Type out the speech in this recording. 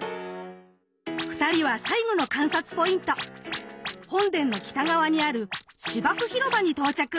２人は最後の観察ポイント本殿の北側にある芝生広場に到着。